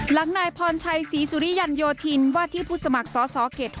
นายพรชัยศรีสุริยันโยธินว่าที่ผู้สมัครสอสอเขต๖